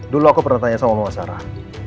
dulu aku pernah tanya sama mama sarah